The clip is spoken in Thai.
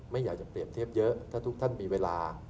ไม่อยากจะเปรียบเทียบเยอะถ้าทุกท่านมีเวลา